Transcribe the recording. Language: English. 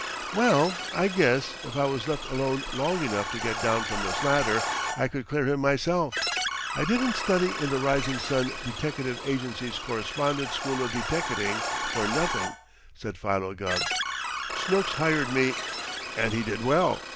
"Well, I guess, if I was left alone long enough to get down from this ladder, I could clear him myself. I didn't study in the Rising Sun Deteckative Agency's Correspondence School of Deteckating for nothing," said Philo Gubb. "Snooks hired me " "And he did well!"